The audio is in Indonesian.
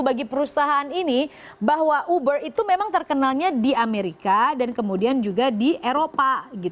bagi perusahaan ini bahwa uber itu memang terkenalnya di amerika dan kemudian juga di eropa